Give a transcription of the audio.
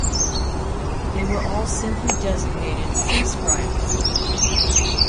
They were all simply designated Sea Sprites.